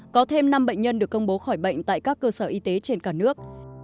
có thêm năm bệnh nhân được công bố khỏi bệnh tại các cơ sở y tế trên cả nước